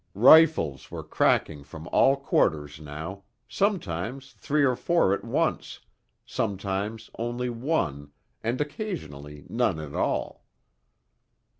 Rifles were cracking from all quarters now, sometimes three or four at once, sometimes only one and occasionally none at all.